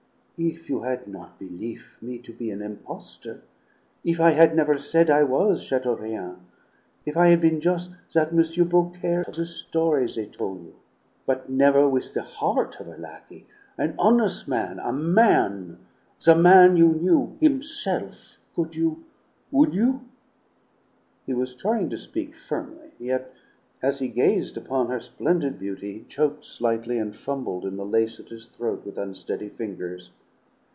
"If you had not belief' me to be an impostor; if I had never said I was Chateaurien; if I had been jus' that Monsieur Beaucaire of the story they tol' you, but never with the heart of a lackey, an hones' man, a man, the man you knew, himself, could you would you " He was trying to speak firmly; yet, as he gazed upon her splendid beauty, he choked slightly, and fumbled in the lace at his throat with unsteady fingers.